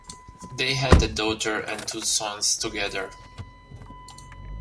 They had a daughter and two sons together.